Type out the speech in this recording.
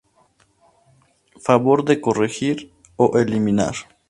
Favor de corregir o eliminar.